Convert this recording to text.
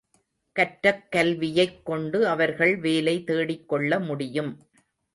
கற்றக் கல்வியைக் கொண்டு அவர்கள் வேலை தேடிக் கொள்ள முடியும்.